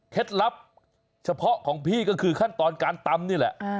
ลับเฉพาะของพี่ก็คือขั้นตอนการตำนี่แหละ